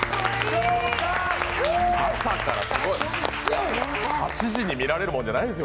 朝からすごい、８時に見られるもんじゃないですよ。